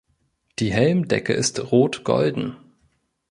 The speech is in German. Die Helmdecke ist rot-golden.